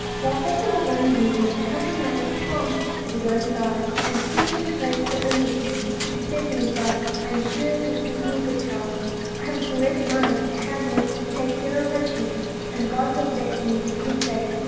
While Fatal was on his knees a countryman chanced to be going by; and seeing him pray so earnestly, said to himself, "I am sure this must be a good child; I have a great mind to have him to take care of my sheep, and God will bless me for his sake."